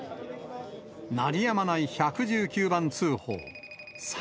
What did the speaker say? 鳴りやまない１１９番通報。